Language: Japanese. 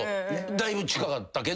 だいぶ近かったけど。